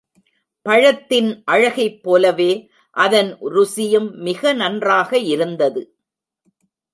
பழத்தின் அழகைப் போலவே அதன் ருசியும் மிக நன்றாக இருந்தது.